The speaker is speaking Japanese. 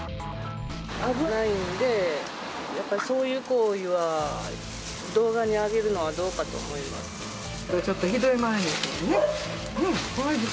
危ないんで、やっぱりそういう行為は、動画に上げるのはどうかと思います。